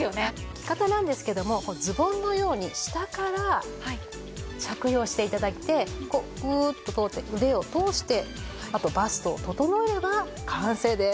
着方なんですけどもズボンのように下から着用して頂いてグーッとこう腕をとおしてあとバストを整れば完成です。